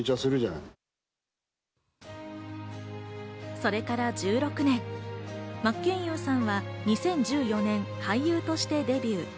それから１６年、真剣佑さんは２０１４年、俳優としてデビュー。